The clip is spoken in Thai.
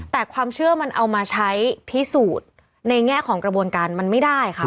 แต่ความเชื่อมันเอามาใช้พิสูจน์ในแง่ของกระบวนการมันไม่ได้ค่ะ